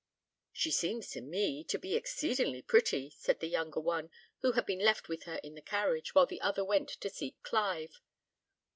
"She seems to me to be exceedingly pretty," said the younger one, who had been left with her in the carriage, while the other went to seek Clive.